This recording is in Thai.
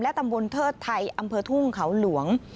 ตำบลเทิดไทยอำเภอทุ่งเขาหลวง